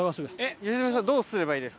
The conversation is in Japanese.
良純さんどうすればいいですか？